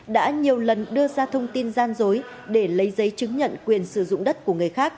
đã nhiều lần đưa ra thông tin gian dối để lấy giấy chứng nhận quyền sử dụng đất của người khác